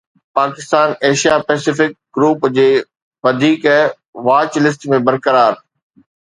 Pakistan Asia Pacific group جي وڌيڪ watch list ۾ برقرار